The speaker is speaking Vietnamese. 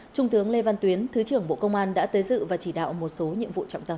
trung tướng lê văn tuyến thứ trưởng bộ công an đã tới dự và chỉ đạo một số nhiệm vụ trọng tâm